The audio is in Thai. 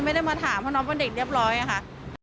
ไม่ได้มาถามเพราะน้องเป็นเด็กเรียบร้อยค่ะ